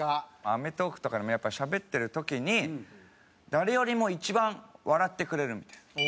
『アメトーーク』とかでもやっぱりしゃべってる時に誰よりも一番笑ってくれるみたいな。